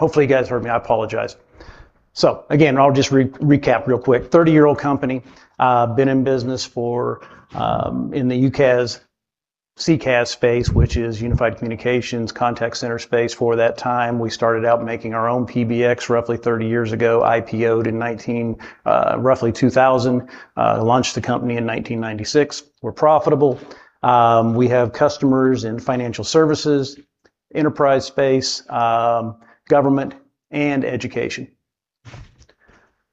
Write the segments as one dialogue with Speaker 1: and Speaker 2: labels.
Speaker 1: Hopefully you guys heard me. I apologize. Again, I'll just recap real quick. 30-year-old company, been in business in the UCaaS CCaaS space, which is unified communications contact center space for that time. We started out making our own PBX roughly 30 years ago, IPO'd in roughly 2000, launched the company in 1996. We're profitable. We have customers in financial services, enterprise space, government, and education.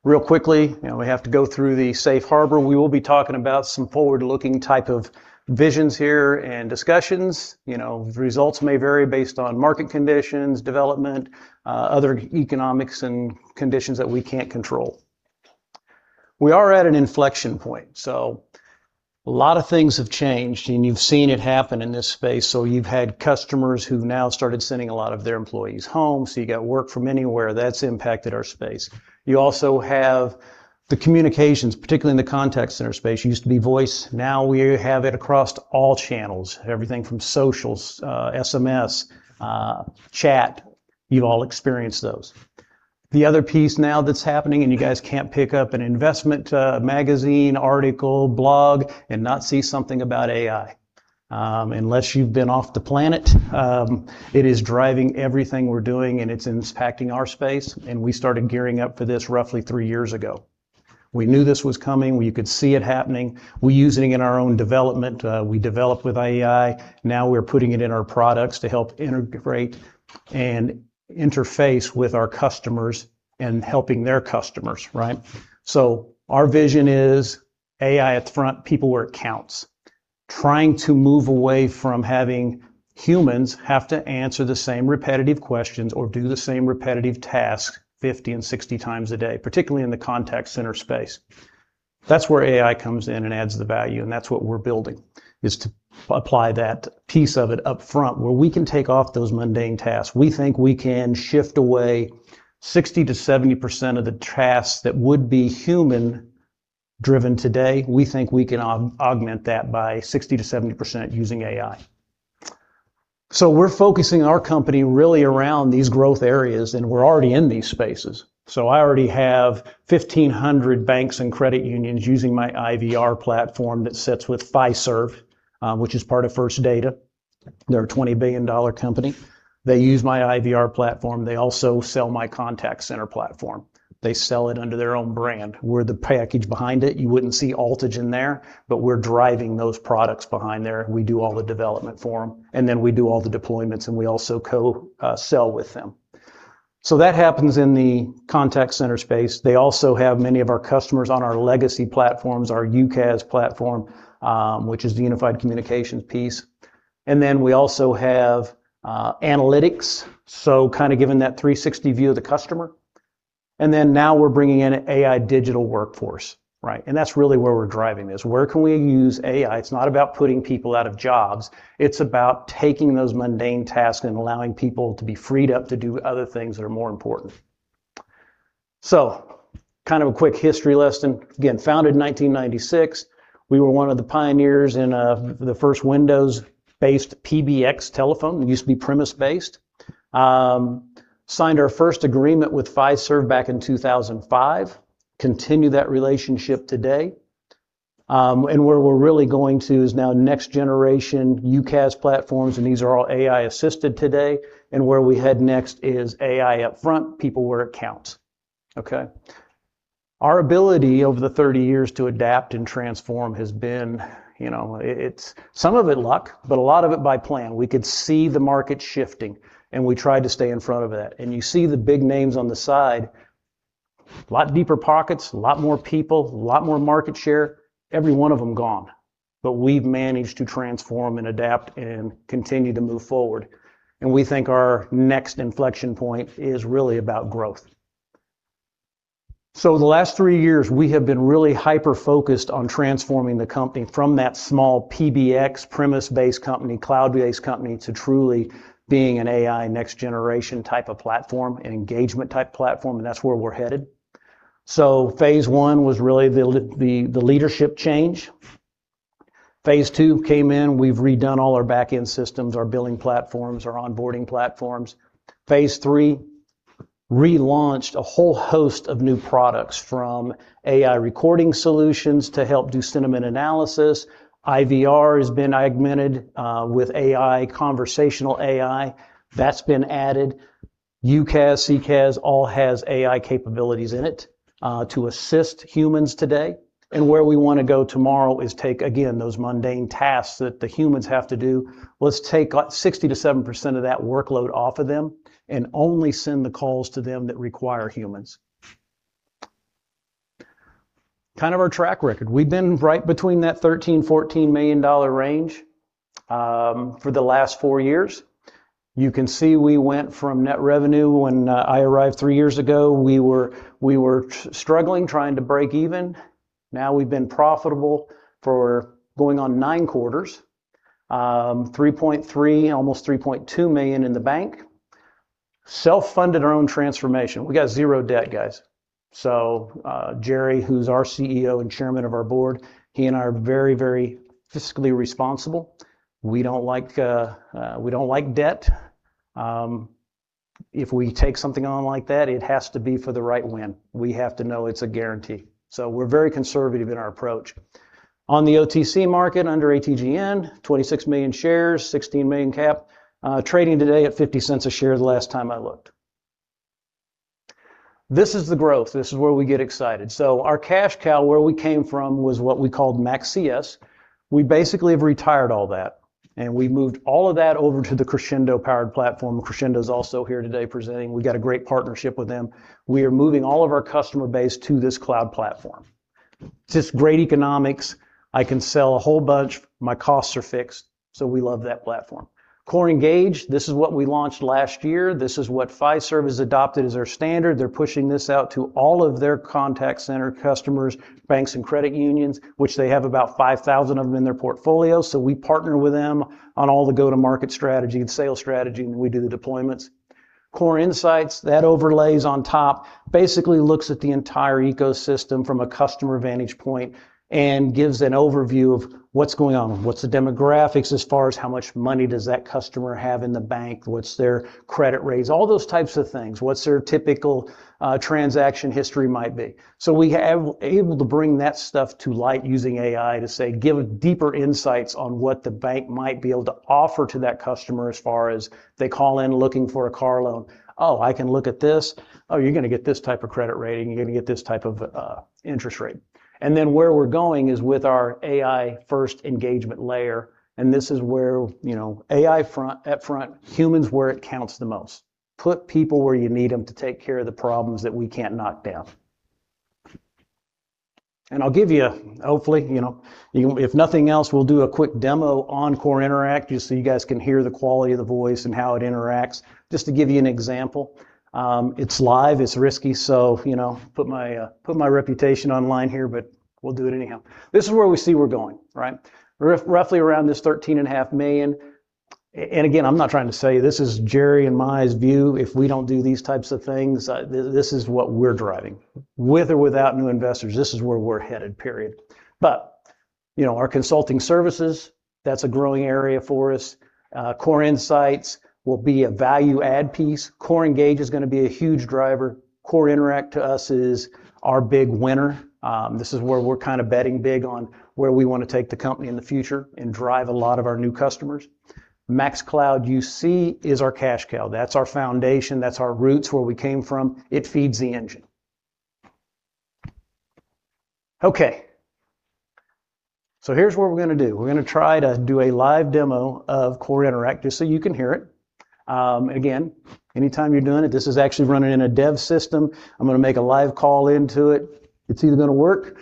Speaker 1: Real quickly, we have to go through the safe harbor. We will be talking about some forward-looking type of visions here and discussions. Results may vary based on market conditions, development, other economics, and conditions that we can't control. We are at an inflection point, a lot of things have changed and you've seen it happen in this space. You've had customers who've now started sending a lot of their employees home. You got work from anywhere. That's impacted our space. You also have the communications, particularly in the contact center space. It used to be voice, now we have it across all channels. Everything from social, SMS, chat. You've all experienced those. The other piece now that's happening, you guys can't pick up an investment magazine, article, blog and not see something about AI. Unless you've been off the planet, it is driving everything we're doing, and it's impacting our space, and we started gearing up for this roughly three years ago. We knew this was coming. We could see it happening. We're using it in our own development. We develop with AI. Now we're putting it in our products to help integrate and interface with our customers and helping their customers. Our vision is AI at front, people where it counts. Trying to move away from having humans have to answer the same repetitive questions or do the same repetitive task 50 and 60 times a day, particularly in the contact center space. That's where AI comes in and adds the value, and that's what we're building, is to apply that piece of it up front where we can take off those mundane tasks. We think we can shift away 60%-70% of the tasks that would be human-driven today. We think we can augment that by 60%-70% using AI. We're focusing our company really around these growth areas, and we're already in these spaces. I already have 1,500 banks and credit unions using my IVR platform that sits with Fiserv, which is part of First Data. They're a $20 billion company. They use my IVR platform. They also sell my contact center platform. They sell it under their own brand. We're the package behind it. You wouldn't see Altigen there, but we're driving those products behind there. We do all the development for them, and we do all the deployments, and we also co-sell with them. That happens in the contact center space. They also have many of our customers on our legacy platforms, our UCaaS platform, which is the unified communications piece. We also have analytics, so kind of giving that 360 view of the customer. Now we're bringing in an AI digital workforce. That's really where we're driving this. Where can we use AI? It's not about putting people out of jobs. It's about taking those mundane tasks and allowing people to be freed up to do other things that are more important. Kind of a quick history lesson. Again, founded in 1996. We were one of the pioneers in the first Windows-based PBX telephone. It used to be premise-based. Signed our first agreement with Fiserv back in 2005. Continue that relationship today. Where we're really going to is now next generation UCaaS platforms, and these are all AI-assisted today. Where we head next is AI up front, people where it counts. Okay. Our ability over the 30 years to adapt and transform has been some of it luck, but a lot of it by plan. We could see the market shifting, and we tried to stay in front of that. You see the big names on the side, a lot deeper pockets, a lot more people, a lot more market share. Every one of them gone. We've managed to transform and adapt and continue to move forward, and we think our next inflection point is really about growth. The last three years, we have been really hyper-focused on transforming the company from that small PBX premise-based company, cloud-based company, to truly being an AI next generation type of platform and engagement type platform, and that's where we're headed. Phase one was really the leadership change. Phase two came in. We've redone all our back-end systems, our billing platforms, our onboarding platforms. Phase three relaunched a whole host of new products, from AI recording solutions to help do sentiment analysis. IVR has been augmented with AI, conversational AI. That's been added. UCaaS, CCaaS all has AI capabilities in it to assist humans today. Where we want to go tomorrow is take, again, those mundane tasks that the humans have to do. Let's take 60%-70% of that workload off of them and only send the calls to them that require humans. Kind of our track record. We've been right between that $13 million-$14 million range for the last four years. You can see we went from net revenue when I arrived three years ago. We were struggling, trying to break even. Now we've been profitable for going on nine quarters. $3.3, almost $3.2 million in the bank. Self-funded our own transformation. We got zero debt, guys. Jerry, who's our CEO and chairman of our board, he and I are very fiscally responsible. We don't like debt. If we take something on like that, it has to be for the right win. We have to know it's a guarantee. We're very conservative in our approach. On the OTC market under ATGN, $26 million shares, $16 million cap, trading today at $0.50 a share the last time I looked. This is the growth. This is where we get excited. Our cash cow, where we came from, was what we called MaxCS. We basically have retired all that, and we moved all of that over to the Crexendo powered platform. Crexendo's also here today presenting. We've got a great partnership with them. We are moving all of our customer base to this cloud platform. Just great economics. I can sell a whole bunch. My costs are fixed, so we love that platform. CoreEngage, this is what we launched last year. This is what Fiserv has adopted as their standard. They're pushing this out to all of their contact center customers, banks and credit unions, which they have about 5,000 of them in their portfolio. We partner with them on all the go-to-market strategy and sales strategy, and we do the deployments. CoreInsights, that overlays on top, basically looks at the entire ecosystem from a customer vantage point and gives an overview of what's going on. What's the demographics as far as how much money does that customer have in the bank? What's their credit rates? All those types of things. What's their typical transaction history might be. We are able to bring that stuff to light using AI to, say, give deeper insights on what the bank might be able to offer to that customer as far as they call in looking for a car loan. Oh, I can look at this. Oh, you're going to get this type of credit rating. You're going to get this type of interest rate. Where we're going is with our AI-first engagement layer, and this is where AI up front, humans where it counts the most. Put people where you need them to take care of the problems that we can't knock down. I'll give you, hopefully, if nothing else, we'll do a quick demo on CoreInteract, just so you guys can hear the quality of the voice and how it interacts, just to give you an example. It's live, it's risky, put my reputation on the line here, we'll do it anyhow. This is where we see we're going. Roughly around this $13.5 million. Again, I'm not trying to say, this is Jerry and my view if we don't do these types of things. This is what we're driving. With or without new investors, this is where we're headed, period. Our consulting services, that's a growing area for us. CoreInsights will be a value add piece. CoreEngage is going to be a huge driver. CoreInteract to us is our big winner. This is where we're betting big on where we want to take the company in the future and drive a lot of our new customers. MaxCloud UC is our cash cow. That's our foundation. That's our roots, where we came from. It feeds the engine. Okay. Here's what we're going to do. We're going to try to do a live demo of CoreInteract, just so you can hear it. Again, anytime you're doing it, this is actually running in a dev system. I'm going to make a live call into it. It's either going to work,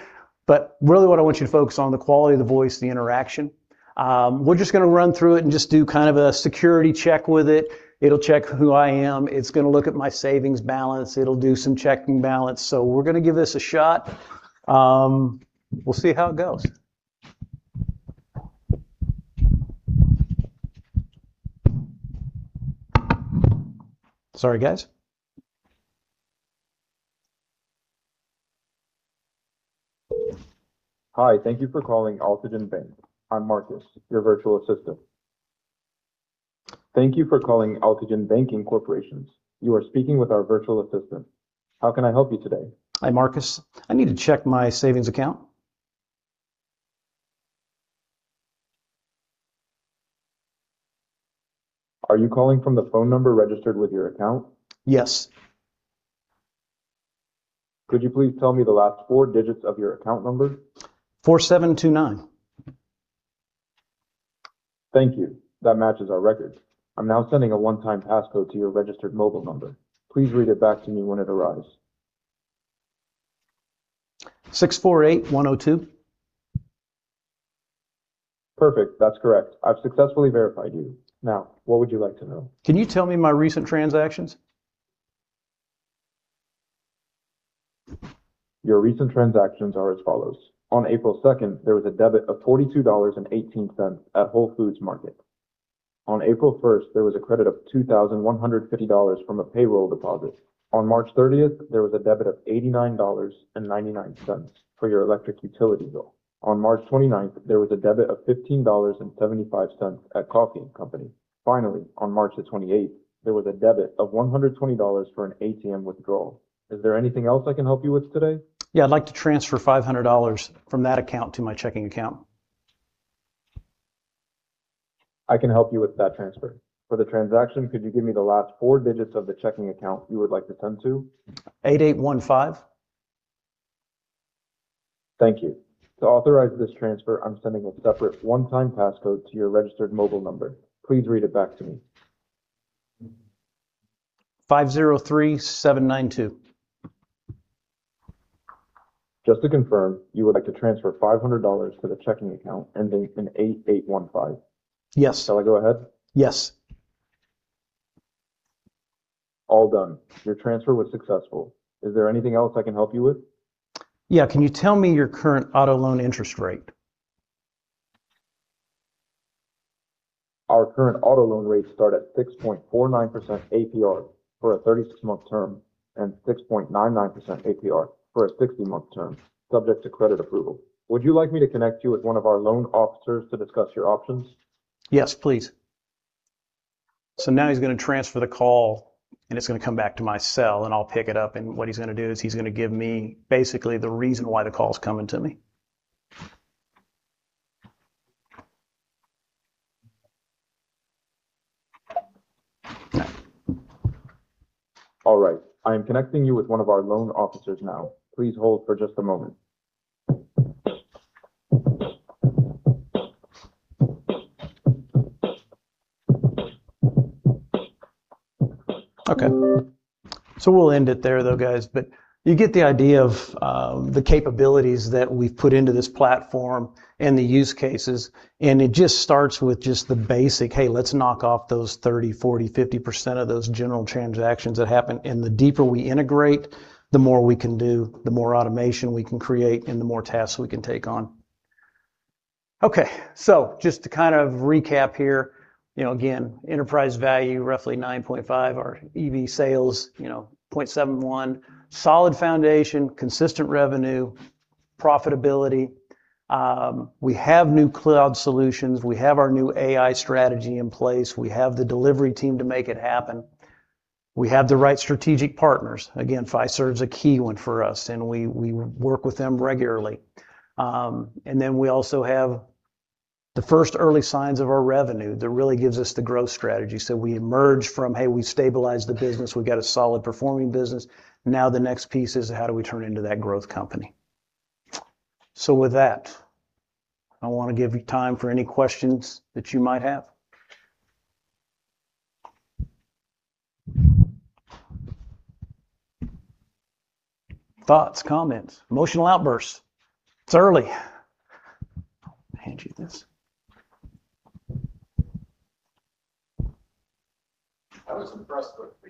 Speaker 1: really what I want you to focus on, the quality of the voice, the interaction. We're just going to run through it and just do kind of a security check with it. It'll check who I am. It's going to look at my savings balance. It'll do some checking balance. We're going to give this a shot. We'll see how it goes. Sorry, guys. Hi, thank you for calling Altigen Communications, Inc.. I'm Marcus, your virtual assistant. Thank you for calling Altigen Communications, Inc.. You are speaking with our virtual assistant. How can I help you today? Hi, Marcus. I need to check my savings account. Are you calling from the phone number registered with your account? Yes. Could you please tell me the last four digits of your account number? 4729. Thank you. That matches our records. I'm now sending a one-time passcode to your registered mobile number. Please read it back to me when it arrives. 648102. Perfect. That's correct. I've successfully verified you. What would you like to know? Can you tell me my recent transactions? Your recent transactions are as follows. On April 2nd, there was a debit of $42.18 at Whole Foods Market. On April 1st, there was a credit of $2,150 from a payroll deposit. On March 30th, there was a debit of $89.99 for your electric utility bill. On March 29th, there was a debit of $15.75 at Coffee & Company. On March the 28th, there was a debit of $120 for an ATM withdrawal. Is there anything else I can help you with today? Yeah, I'd like to transfer $500 from that account to my checking account. I can help you with that transfer. For the transaction, could you give me the last four digits of the checking account you would like to send to? 8815. Thank you. To authorize this transfer, I'm sending a separate one-time passcode to your registered mobile number. Please read it back to me. 503792. Just to confirm, you would like to transfer $500 to the checking account ending in 8815? Yes. Shall I go ahead? Yes. All done. Your transfer was successful. Is there anything else I can help you with? Yeah. Can you tell me your current auto loan interest rate? Our current auto loan rates start at 6.49% APR for a 36-month term and 6.99% APR for a 60-month term, subject to credit approval. Would you like me to connect you with one of our loan officers to discuss your options? Yes, please. Now he's going to transfer the call, and it's going to come back to my cell, and I'll pick it up, and what he's going to do is he's going to give me basically the reason why the call's coming to me. All right. I am connecting you with one of our loan officers now. Please hold for just a moment. Okay. We'll end it there, though, guys, but you get the idea of the capabilities that we've put into this platform and the use cases, and it just starts with just the basic, "Hey, let's knock off those 30%, 40%, 50% of those general transactions that happen." The deeper we integrate, the more we can do, the more automation we can create, and the more tasks we can take on. Okay. Just to kind of recap here, again, enterprise value roughly $9.5, our EV sales 0.71. Solid foundation, consistent revenue, profitability. We have new cloud solutions. We have our new AI strategy in place. We have the delivery team to make it happen. We have the right strategic partners. Again, Fiserv is a key one for us, and we work with them regularly. Then we also have the first early signs of our revenue that really gives us the growth strategy. We emerge from, hey, we've stabilized the business, we've got a solid performing business. Now the next piece is how do we turn into that growth company? With that, I want to give time for any questions that you might have. Thoughts, comments, emotional outbursts. It's early. Hand you this.
Speaker 2: I was impressed with the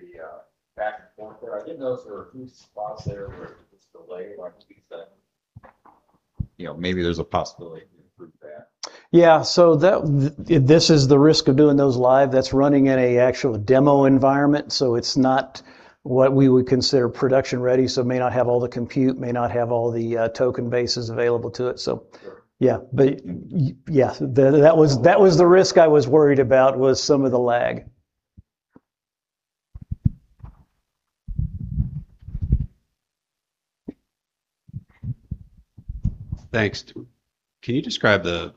Speaker 2: back and forth there. I did notice there were a few spots there where it was delayed. Like you said, maybe there's a possibility to improve that.
Speaker 1: Yeah. This is the risk of doing those live. That's running in an actual demo environment, so it's not what we would consider production ready, so may not have all the compute, may not have all the token bases available to it.
Speaker 2: Sure.
Speaker 1: Yeah. That was the risk I was worried about, was some of the lag.
Speaker 2: Thanks. Can you describe the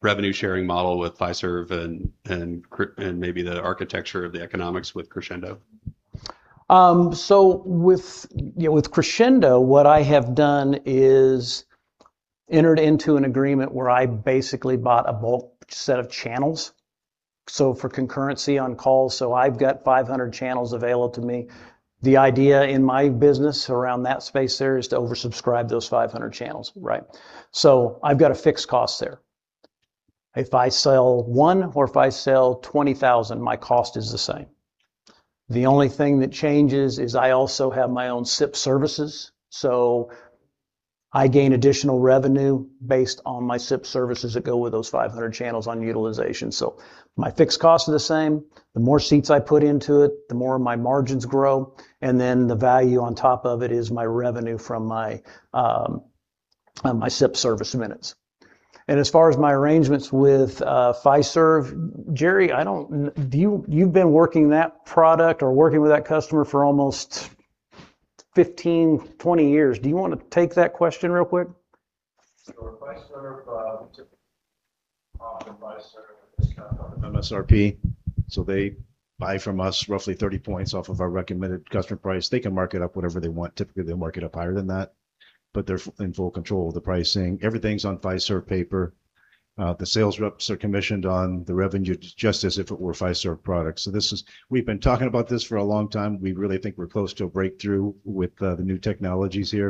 Speaker 2: revenue-sharing model with Fiserv and maybe the architecture of the economics with Crexendo?
Speaker 1: With Crexendo, what I have done is entered into an agreement where I basically bought a bulk set of channels, for concurrency on calls. I've got 500 channels available to me. The idea in my business around that space there is to oversubscribe those 500 channels, right? I've got a fixed cost there. If I sell one or if I sell 20,000, my cost is the same. The only thing that changes is I also have my own SIP services, I gain additional revenue based on my SIP services that go with those 500 channels on utilization. My fixed costs are the same. The more seats I put into it, the more my margins grow, and then the value on top of it is my revenue from my SIP service minutes. As far as my arrangements with Fiserv, Jerry, you've been working that product or working with that customer for almost 15, 20 years. Do you want to take that question real quick?
Speaker 3: Sure. Fiserv typically offer Fiserv a discount off of MSRP, they buy from us roughly 30 points off of our recommended customer price. They can mark it up whatever they want. Typically, they'll mark it up higher than that. They're in full control of the pricing. Everything's on Fiserv paper. The sales reps are commissioned on the revenue just as if it were Fiserv products. We've been talking about this for a long time. We really think we're close to a breakthrough with the new technologies here.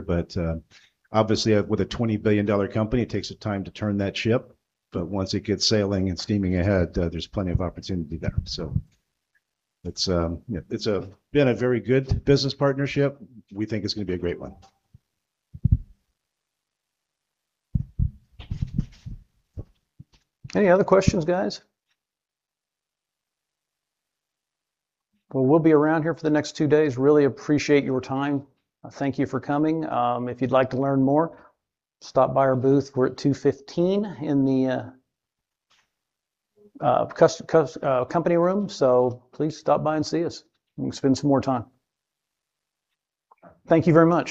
Speaker 3: Obviously, with a $20 billion company, it takes the time to turn that ship, but once it gets sailing and steaming ahead, there's plenty of opportunity there. It's been a very good business partnership. We think it's going to be a great one.
Speaker 1: Any other questions, guys? We'll be around here for the next two days. Really appreciate your time. Thank you for coming. If you'd like to learn more, stop by our booth. We're at 215 in the company room, please stop by and see us. We can spend some more time. Thank you very much.